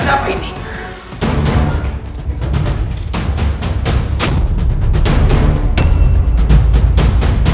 mereka takki di kokongan kalaulah